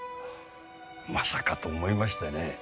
まさかと思いましてね